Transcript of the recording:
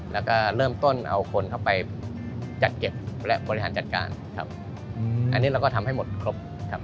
แล้วก็เริ่มต้นเอาคนเข้าไปจัดเก็บและบริหารจัดการครับอันนี้เราก็ทำให้หมดครบครับ